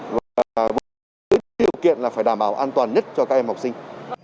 và với điều kiện là phải đảm bảo an toàn nhất cho các em học sinh